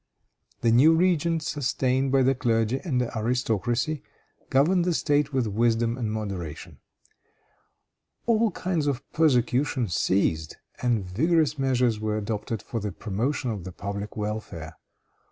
The new regent, sustained by the clergy and the aristocracy, governed the State with wisdom and moderation. All kinds of persecution ceased, and vigorous measures were adopted for the promotion of the public welfare.